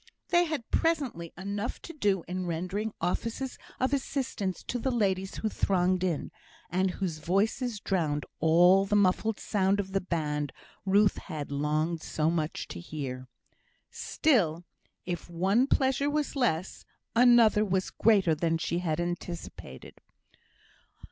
They had presently enough to do in rendering offices of assistance to the ladies who thronged in, and whose voices drowned all the muffled sound of the band Ruth had longed so much to hear. Still, if one pleasure was less, another was greater than she had anticipated.